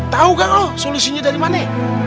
tau gak lu solusinya dari mana